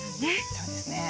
そうですね。